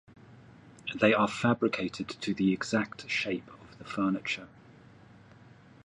They are fabricated to the exact shape of the furniture.